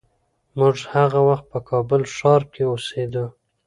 موږ هغه وخت په کابل ښار کې اوسېدو.